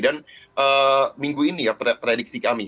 dan minggu ini ya prediksi kami